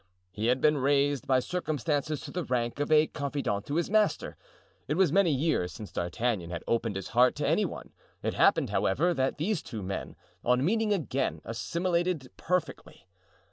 He had been raised by circumstances to the rank of a confidant to his master. It was many years since D'Artagnan had opened his heart to any one; it happened, however, that these two men, on meeting again, assimilated perfectly.